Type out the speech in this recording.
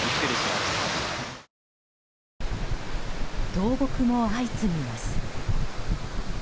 倒木も相次ぎます。